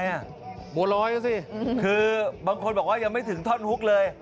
อะไรน่ะโบร้อยอ่ะสิคือบางคนบอกว่ายังไม่ถึงท่อนฮุคเลย